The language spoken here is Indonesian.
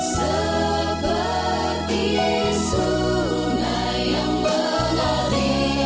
seperti sungai yang berlari